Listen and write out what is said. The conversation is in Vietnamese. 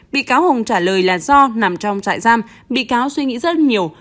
bị cáo hùng trả lời là do nằm trong trại giam bị cáo suy nghĩ rất nhiều